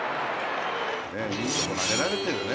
いいとこ投げられてるね。